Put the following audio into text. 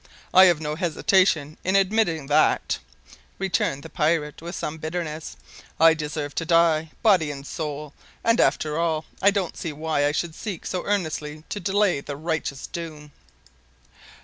I have no hesitation in admitting that," returned the pirate, with some bitterness; "I deserve to die, body and soul, and, after all, I don't see why I should seek so earnestly to delay the righteous doom."